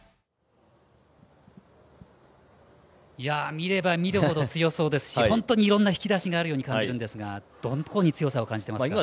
見れば見るほど強そうですし本当にいろんな引き出しがあるように感じるんですがどこに強さを感じてますか？